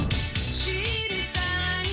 知りたい」